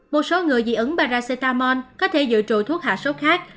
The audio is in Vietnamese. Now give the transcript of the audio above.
một số người dị ứng paracetamol có thể dự trụ thuốc hạ sốt khác